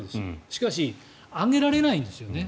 しかし上げられないんですよね。